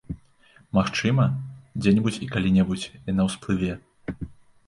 Магчыма, дзе-небудзь і калі-небудзь яна ўсплыве.